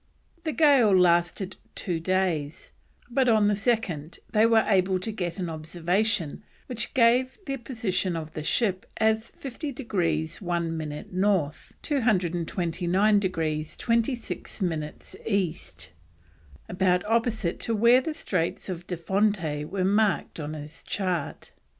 The gale lasted two days, but on the second they were able to get an observation which gave the position of the ship as 50 degrees 1 minute North, 229 degrees 26 minutes East, about opposite to where the Straits of de Fonte were marked on his chart.